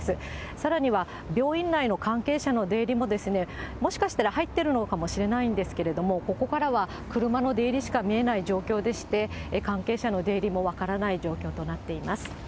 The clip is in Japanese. さらには病院内の関係者の出入りも、もしかしたら入ってるのかもしれないんですけれども、ここからは車の出入りしか見えない状況でして、関係者の出入りも分からない状況となっています。